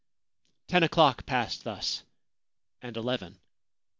Ten o'clock passed thus, and eleven.